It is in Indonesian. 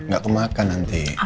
gak kemakan nanti